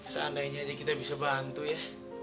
seandainya aja kita bisa bantu ya